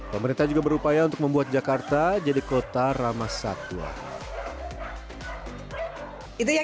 pemerintah juga berupaya untuk membuat jakarta jadi kota ramah satwa